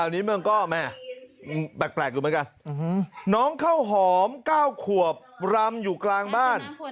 น้องเขาหอม๙ขวบรำอยู่กลางบ้าน